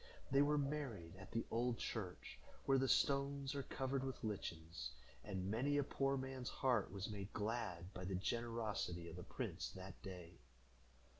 They were married at the old church, where the stones are covered with lichens, and many a poor man's heart was made glad by the generosity of the prince that day.